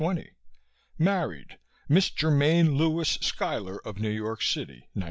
Married: Miss Germaine Lewis Schuyler, of New York City, 1936.